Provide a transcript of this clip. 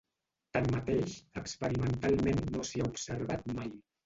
Tanmateix, experimentalment no s'hi ha observat mai.